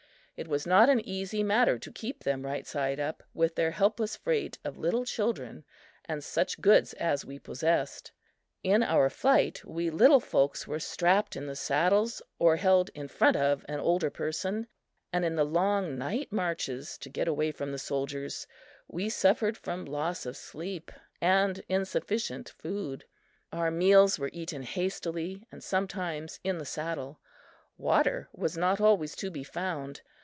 It was not an easy matter to keep them right side up, with their helpless freight of little children and such goods as we possessed. In our flight, we little folks were strapped in the saddles or held in front of an older person, and in the long night marches to get away from the soldiers, we suffered from loss of sleep and insufficient food. Our meals were eaten hastily, and sometimes in the saddle. Water was not always to be found.